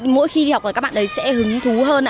mỗi khi đi học ở các bạn ấy sẽ hứng thú hơn